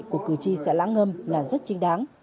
của cử tri xã lãng ngâm là rất chính đáng